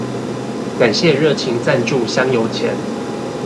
感謝熱情贊助香油錢